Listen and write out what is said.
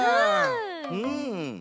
うん。